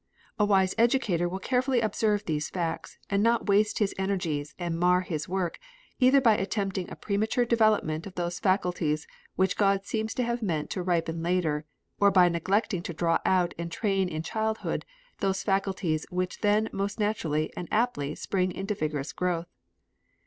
A wise educator will carefully observe these facts, and not waste his energies and mar his work, either by attempting a premature development of those faculties which God seems to have meant to ripen later, or by neglecting to draw out and train in childhood those faculties which then most naturally and aptly spring into vigorous growth.